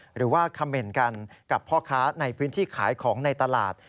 หรือว่าคำเมนต์กันกับพ่อค้าในพื้นที่ขายของในตลาด